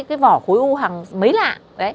cái vỏ khối u hàng mấy lạ